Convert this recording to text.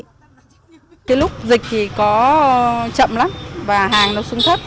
cái lúc dịch thì có chậm lắm và hàng nó xuống thấp